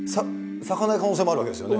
咲かない可能性もあるわけですよね。